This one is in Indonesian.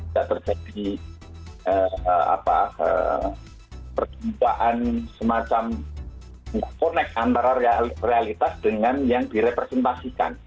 tidak terjadi pertumpaan semacam connect antara realitas dengan yang direpresentasikan